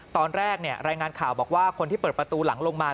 ตอนแรกรายงานข่าวบอกว่าคนที่เปิดประตูหลังลงมา